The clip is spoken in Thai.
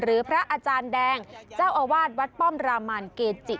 พระอาจารย์แดงเจ้าอาวาสวัดป้อมรามานเกจิ